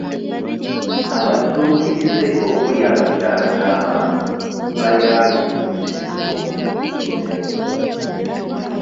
Abadduukirize okuli abakyala n'abaami bayambye mu kuzikiza omuliro ku ssomero.